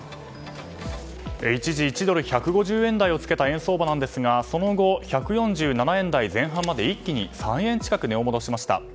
一時１ドル＝１５０円台をつけた円相場ですがその後、１４７円台前半まで一気に３円近く値を戻しました。